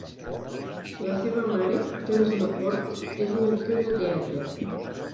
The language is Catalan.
La seva mare, Joyce McCord, és una actriu de teatre.